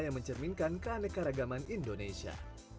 yang mencerminkan keanekaragaman indonesia